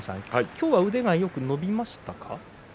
今日は腕がよく伸びましたか。